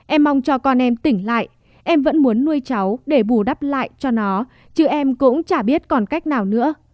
em mong cho con em tỉnh lại em vẫn muốn nuôi cháu để bù đắp lại cho nó chứ em cũng chả biết còn cách nào nữa